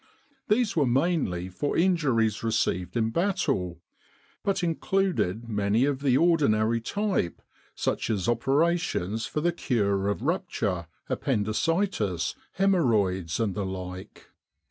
These were mainly for injuries received in battle, but included many of the ordinary type, such as operations for the cure of rupture, appendicitis, haemorrhoids, and the like.